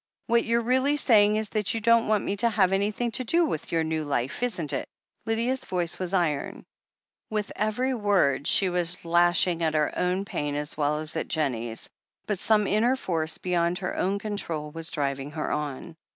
What you're really saying is that you don't want me to have anything to do with your new life, isn't it?" "] if 456 THE HEEL OF ACHILLES Lydia's voice was iron. With every word she was lashing at her own pain as well as at Jennie's, but some inner force beyond her own control was driving her on.